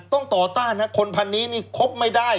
ต่อต้านนะคนพันนี้นี่ครบไม่ได้